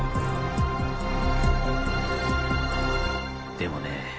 でもね